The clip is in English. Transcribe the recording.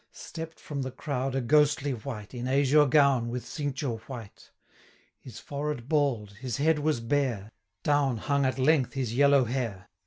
Stepp'd from the crowd a ghostly wight, In azure gown, with cincture white; 325 His forehead bald, his head was bare, Down hung at length his yellow hair.